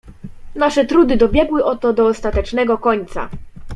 "Nasze trudy dobiegły oto do ostatecznego końca."